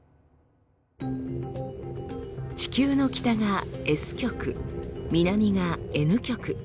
地球の北がＳ極南がＮ極。